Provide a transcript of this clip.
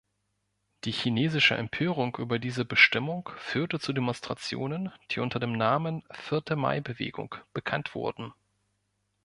Die chinesische Empörung über diese Bestimmung führte zu Demonstrationen, die unter dem Namen "Vierte Mai-Bewegung" bekannt wurden.